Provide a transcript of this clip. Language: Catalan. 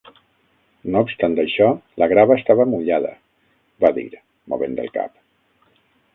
"No obstant això, la grava estava mullada", va dir, movent el cap.